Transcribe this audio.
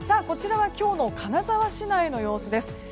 こちらは今日の金沢市内の様子です。